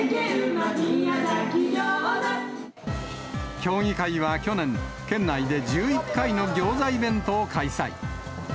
協議会は去年、県内で１１回のギョーザイベントを開催。